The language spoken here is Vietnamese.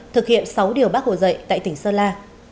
thực hiện sáu điều bác hồ dạy tại tỉnh sơn la